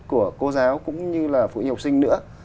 của cô giáo cũng như là phụ huynh học sinh nữa